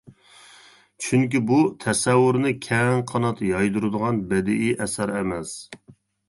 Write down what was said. چۈنكى بۇ تەسەۋۋۇرنى كەڭ قانات يايدۇرىدىغان بەدىئىي ئەسەر ئەمەس.